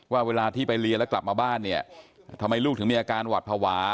ว่าเวลาที่ไปเรียนแล้วกลับมาบ้านเนี่ยทำไมลูกถึงมีอาการหวัดภาวะ